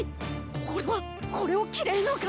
俺はこれを着れるのか！